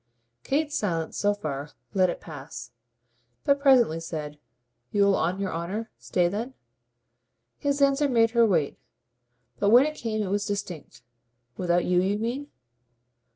Kate's silence, so far, let it pass; but presently said: "You'll, on your honour, stay then?" His answer made her wait, but when it came it was distinct. "Without you, you mean?"